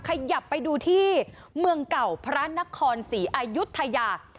ขยับไปดูที่เมืองเก่าพระนครศรีอายุทยา